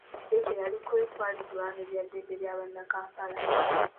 Ye kye yaliko kwali kulwanirira ddembe lya Bannakampala .